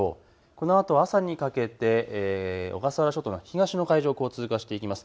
このあと、朝にかけて小笠原諸島の東の海上を通過していきます。